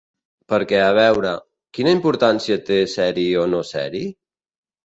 Perquè a veure, quina importància té ser-hi o no ser-hi?